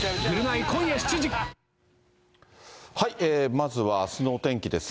まずはあすのお天気ですが。